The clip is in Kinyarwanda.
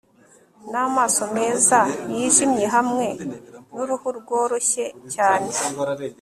n'amaso meza yijimye hamwe nuruhu rworoshye cyane